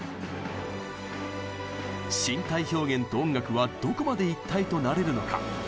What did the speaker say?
身体表現と音楽はどこまで一体となれるのか？